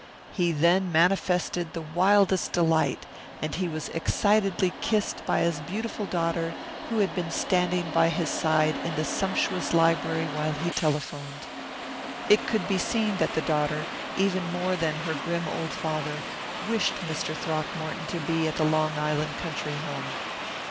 He than manifested the wildest delight, and he was excitedly kissed by his beautiful daughter who had been standing by his side in the sumptuous library while he telephoned. It could be seen that the daughter, even more than her grim old father, wished Mr. Throckmorton to be at the Long Island country home.